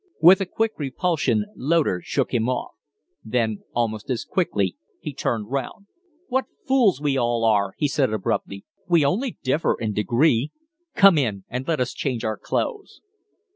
With a quick repulsion Loder shook him off; then almost as quickly he turned round. "What fools we all are!" he said, abruptly. "We, only differ in degree. Come in, and let us change our clothes."